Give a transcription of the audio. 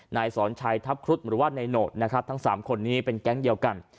นายสอนชัยทัพครุฑหรือว่านายโหนดนะครับทั้ง๓คนนี้เป็นแก๊งเดียวกัน